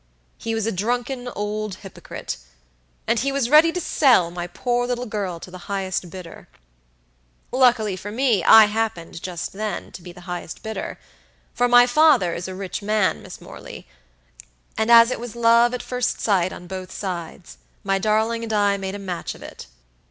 He was a drunken old hypocrite, and he was ready to sell my poor, little girl to the highest bidder. Luckily for me, I happened just then to be the highest bidder; for my father, is a rich man, Miss Morley, and as it was love at first sight on both sides, my darling and I made a match of it.